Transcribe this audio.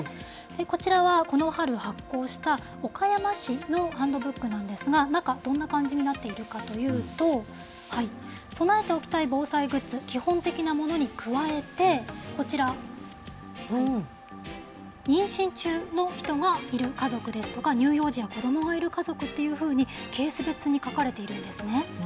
こちらは、この春発行した岡山市のハンドブックなんですが、中、どんな感じになっているかというと、備えておきたい防災グッズ、基本的なものに加えて、こちら、妊娠中の人がいる家族ですとか、乳幼児や子どもがいるケース別に書かれているんですね。